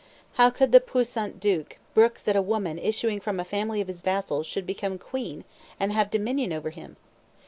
How could the puissant duke brook that a woman issuing from a family of his vassals should become queen, and have dominion over him?